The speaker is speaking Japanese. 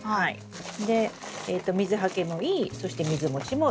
で水はけもいいそして水もちもいい。